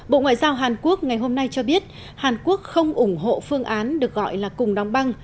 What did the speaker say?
bộ ngoại giao hàn quốc ngày hôm nay cho biết hàn quốc không ủng hộ phương án được gọi là cùng đóng băng